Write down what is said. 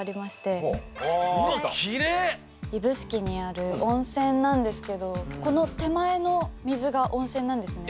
指宿にある温泉なんですけどこの手前の水が温泉なんですね。